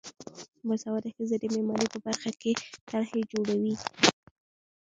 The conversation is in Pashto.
باسواده ښځې د معماری په برخه کې طرحې جوړوي.